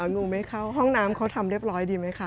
หนูไม่เข้าห้องน้ำเขาทำเรียบร้อยดีไหมคะ